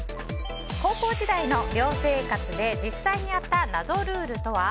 高校時代の寮生活で実際にあった謎ルールとは？